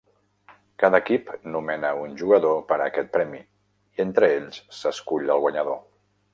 Cada equip nomena un jugador per a aquest premi i entre ells s'escull el guanyador.